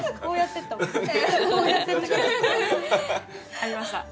ありました